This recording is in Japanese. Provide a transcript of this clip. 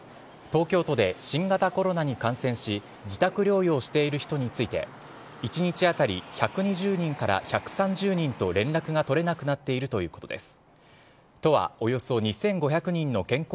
東京都で新型コロナに感染し、自宅療養している人について、１日当たり１２０人から１３０人と連絡が取れなくなっているということです。